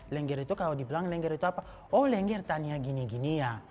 lengger itu kalau dibilang lengger itu apa oh lengger tania gini gini ya